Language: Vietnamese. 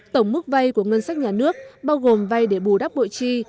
tổng mức vay của ngân sách nhà nước bao gồm vay để bù đắp bội chi